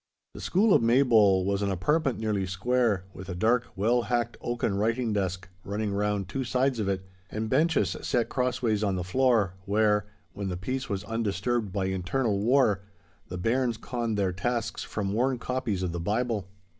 The school of Maybole was an apartment nearly square, with a dark, well hacked oaken writing desk running round two sides of it, and benches set cross ways on the floor, where, when the peace was undisturbed by internal war, the bairns conned their tasks from worn copies of the Bible.